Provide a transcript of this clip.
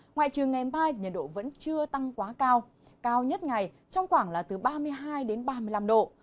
ngoại trừ ngày mai nhiệt độ vẫn chưa tăng quá cao cao nhất ngày trong khoảng là từ ba mươi hai đến ba mươi năm độ